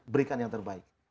berikan yang terbaik